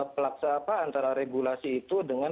pelaksanaan antara regulasi itu dengan